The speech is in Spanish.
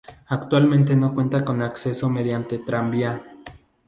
Actualmente no cuenta con acceso mediante tranvía.